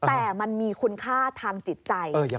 แต่มันมีคุณค่าทางจิตใจ